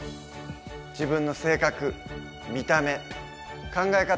自分の性格見た目考え方